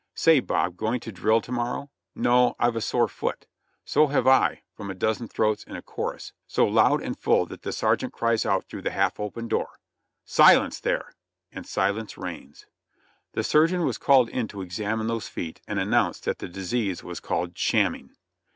"Say, Bob, going to drill to morrow?" "No! I've a sore foot !" "So have I !" from a dozen throats in a chorus, so loud and full that the sergeant cries out through the half open door : "Silence there !" and silence reigns. The surgeon was called in to examine those feet and announced that the disease was called "Shamming."